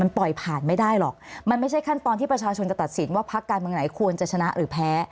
ปล่อยผ่านไม่ได้หรอกมันไม่ใช่ขั้นตอนที่ประชาชนจะตัดสินว่าพักการเมืองไหนควรจะชนะหรือแพ้